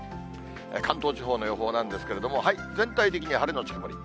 関東地方の予報なんですけれども、全体的に晴れ後曇り。